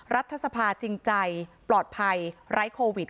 รัฐสภาจริงใจปลอดภัยไร้โควิด